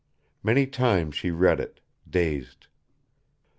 Many times she read it, dazed.